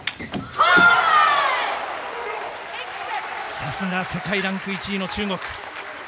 さすが、世界ランク１位の中国。